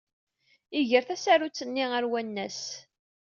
Iger tasarut-nni ɣer wannas.